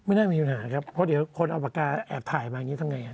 น่ามีปัญหาครับเพราะเดี๋ยวคนเอาปากกาแอบถ่ายมาอย่างนี้ทำไง